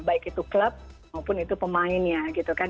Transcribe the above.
baik itu klub maupun itu pemainnya gitu kan